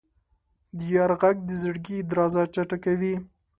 د یار ږغ د زړګي درزا چټکوي.